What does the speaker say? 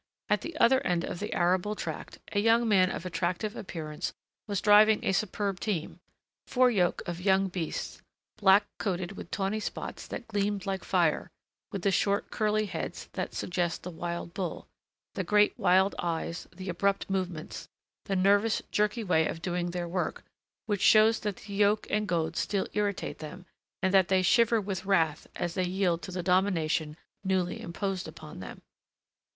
At the other end of the arable tract, a young man of attractive appearance was driving a superb team: four yoke of young beasts, black coated with tawny spots that gleamed like fire, with the short, curly heads that suggest the wild bull, the great, wild eyes, the abrupt movements, the nervous, jerky way of doing their work, which shows that the yoke and goad still irritate them and that they shiver with wrath as they yield to the domination newly imposed upon them.